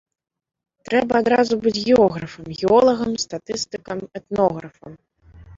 Трэба адразу быць географам, геолагам, статыстыкам, этнографам!